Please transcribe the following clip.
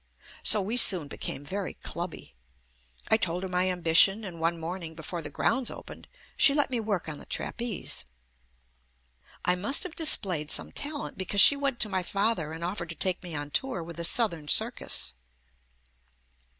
So we soon become very clubby. I told her my ambi tion, and one morning before the grounds opened she let me work on the trapeze. I must have displayed some talent because she went to my father and offered to take me on tour with a southern circus.